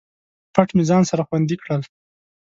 پټ مې ځان سره خوندي کړل